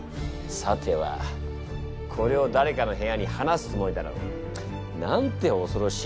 さてはこれを誰かの部屋に放すつもりだろう。なんて恐ろしい計画だ。